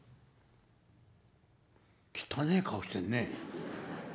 「汚え顔してるね」。